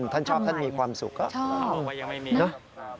ท่านชอบท่านมีความสุขก็ชอบ